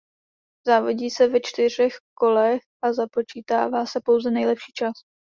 Závodí se ve čtyřech kolech a započítává se pouze nejlepší čas.